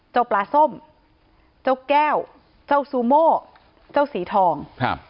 เจ้าปลาส้มเจ้าแก้วเจ้าซูโม่เจ้าสีทองครับ